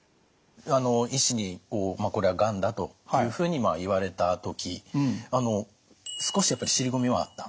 医師にこれはがんだというふうに言われた時少しやっぱり尻込みはあった？